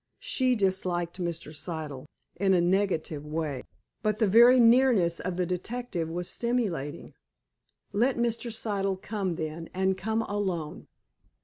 She disliked Mr. Siddle, in a negative way, but the very nearness of the detective was stimulating. Let Mr. Siddle come, then, and come alone!